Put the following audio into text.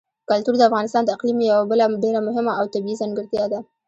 کلتور د افغانستان د اقلیم یوه بله ډېره مهمه او طبیعي ځانګړتیا ده.